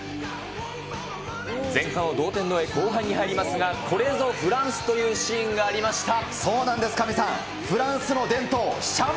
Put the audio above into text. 前半を同点で終え、後半に入りますが、これぞフランスというシーンがありました。